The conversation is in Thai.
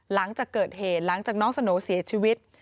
หลังจากเกิดเหตุหลังจากน้องสโหน่เสียชีวิต